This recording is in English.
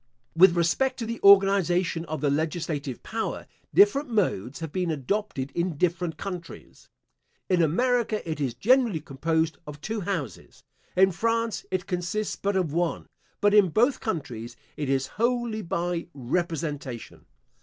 With respect to the organization of the legislative power, different modes have been adopted in different countries. In America it is generally composed of two houses. In France it consists but of one, but in both countries, it is wholly by representation.